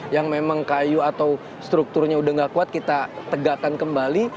yang memang kayu atau strukturnya udah gak kuat kita tegakkan kembali